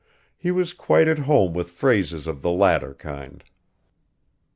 . He was quite at home with phrases of the latter kind.